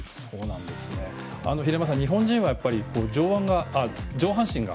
平山さん、日本人は上半身が